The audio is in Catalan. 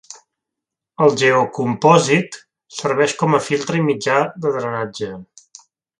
El geocompòsit serveix com a filtre i mitjà de drenatge.